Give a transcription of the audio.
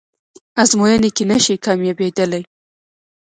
ازموینه کې نشئ کامیابدلی